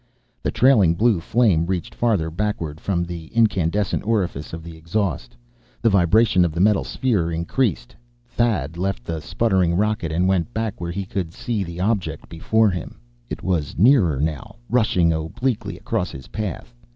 The trailing blue flame reached farther backward from the incandescent orifice of the exhaust. The vibration of the metal sphere increased. Thad left the sputtering rocket and went back where he could see the object before him. It was nearer now, rushing obliquely across his path.